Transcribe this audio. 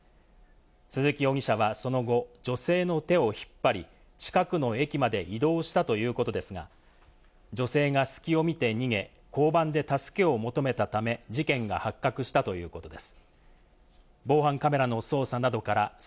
鈴木容疑者は、その後、女性の手を引っ張り、近くの駅まで移動したということですが、女性が隙を見て逃げ、交番で助けを求めたため、事件が発覚したということです。